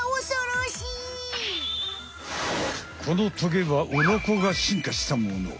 このトゲはウロコが進化したもの。